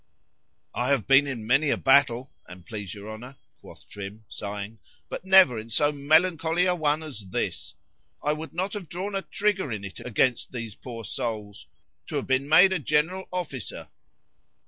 [I have been in many a battle, an' please your Honour, quoth Trim, sighing, but never in so melancholy a one as this,—I would not have drawn a tricker in it against these poor souls,——to have been made a general officer.